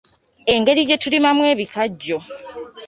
Engeri gye tulimamu ebikajjo.